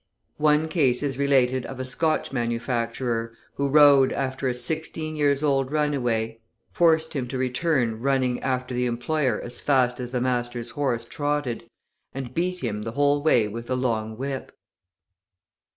One case is related of a Scotch manufacturer, who rode after a sixteen years old runaway, forced him to return running after the employer as fast as the master's horse trotted, and beat him the whole way with a long whip.